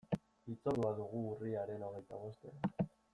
Hitzordua dugu urriaren hogeita bostean.